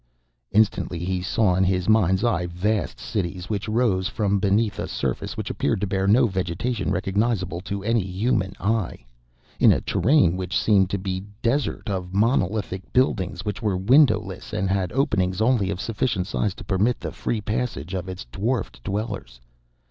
Instantly he saw in his mind's eye vast cities, which rose from beneath a surface which appeared to bear no vegetation recognizable to any human eye, in a terrain which seemed to be desert, of monolithic buildings, which were windowless and had openings only of sufficient size to permit the free passage of its dwarfed dwellers.